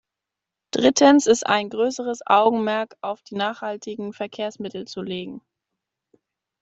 Drittens ist ein größeres Augenmerk auf die nachhaltigen Verkehrsmittel zu legen.